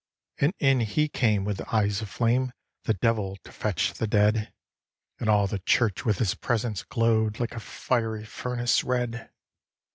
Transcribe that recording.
And in He came with eyes of flame, The Devil to fetch the dead, And all the church with his presence glow'd Like a fiery furnace red.